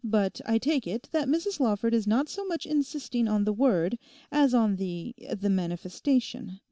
But I take it that Mrs Lawford is not so much insisting on the word, as on the—the manifestation.